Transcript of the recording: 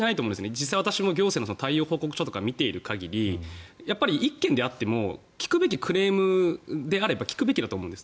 実際私も行政の対応報告書とかを見ている限りやっぱり１軒であっても聞くべきクレームであれば聞くべきだと思うんです。